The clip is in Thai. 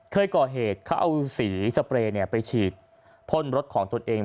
เคยก่อเหตุเขาเอาสีสเปรย์ไปฉีดพ่นรถของตนเอง